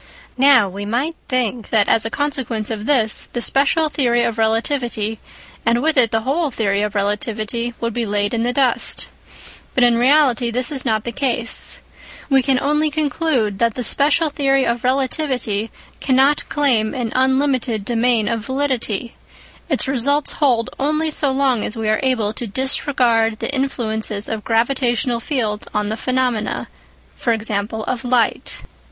Now we might think that as a consequence of this, the special theory of relativity and with it the whole theory of relativity would be laid in the dust. But in reality this is not the case. We can only conclude that the special theory of relativity cannot claim an unlinlited domain of validity ; its results hold only so long as we are able to disregard the influences of gravitational fields on the phenomena (e.g. of light).